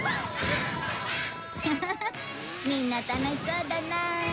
フフフみんな楽しそうだなあ。